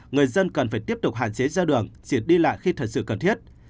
người dân cần phải tiếp tục hạn chế ra đường diệt đi lại khi thật sự cần thiết